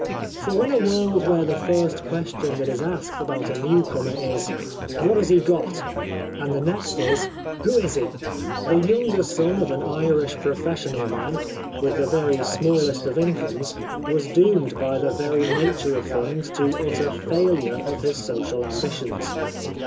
For in a world where the first question that is asked about a new comer is :" What has he got ?" and the next is :" Who is he ?" the younger son of an Irish professional man, with the very smallest of incomes was doomed by the very nature of things to utter failure of his social ambitions.